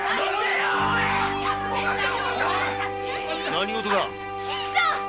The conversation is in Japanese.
何事だ？